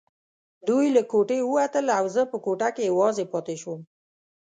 دوی له کوټې ووتل او زه په کوټه کې یوازې پاتې شوم.